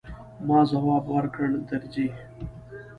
ما ځواب ورکړ، درځئ.